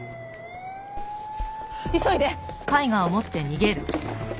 急いで！